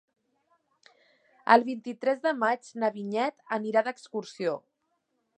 El vint-i-tres de maig na Vinyet anirà d'excursió.